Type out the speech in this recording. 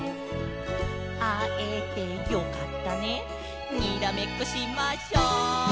「あえてよかったねにらめっこしましょうー」